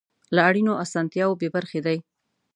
له اړینو اسانتیاوو بې برخې دي.